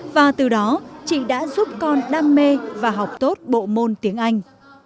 và từ đó chị đã giúp con đam mê và học tốt bộ môn tiếng anh